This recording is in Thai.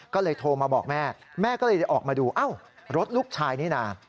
ก็เลยโทรมาบอกแม่แม่ก็เลยออกมาดูอ้าวรถลูกชายนี่นะ